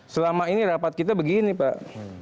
selama ini rapat kita begini pak